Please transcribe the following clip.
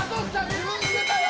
自分で入れたよ！